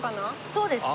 そうですね。